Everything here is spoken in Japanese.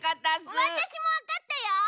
わたしもわかったよ！